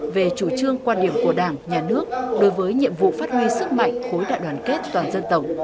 về chủ trương quan điểm của đảng nhà nước đối với nhiệm vụ phát huy sức mạnh khối đại đoàn kết toàn dân tộc